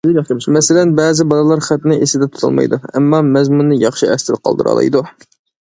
مەسىلەن، بەزى بالىلار خەتنى ئېسىدە تۇتالمايدۇ، ئەمما مەزمۇننى ياخشى ئەستە قالدۇرالايدۇ.